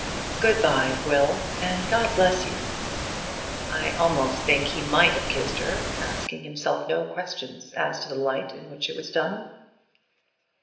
"Good bye, Will, and God bless you." I almost think he might have kissed her, asking himself no questions as to the light in which it was done.